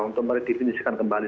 untuk mendedifikasikan kembali